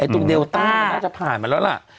ตรงเดลต้าน่าจะผ่านมาแล้วล่ะ